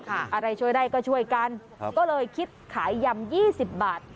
อะไรช่วยได้ก็ช่วยกันก็เลยคิดขายยำ๒๐บาท